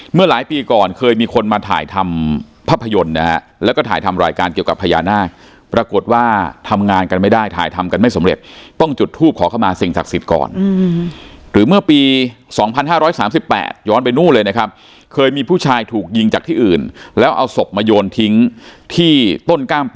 เมื่อหลายปีก่อนเคยมีคนมาถ่ายทำภาพยนตร์นะฮะแล้วก็ถ่ายทำรายการเกี่ยวกับพญานาคปรากฏว่าทำงานกันไม่ได้ถ่ายทำกันไม่สำเร็จต้องจุดทูปขอเข้ามาสิ่งศักดิ์สิทธิ์ก่อนหรือเมื่อปี๒๕๓๘ย้อนไปนู่นเลยนะครับเคยมีผู้ชายถูกยิงจากที่อื่นแล้วเอาศพมาโยนทิ้งที่ต้นกล้า